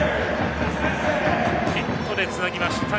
ヒットでつなぎました